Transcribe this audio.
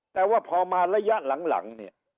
แต่ว่าพอมาระยะหลัง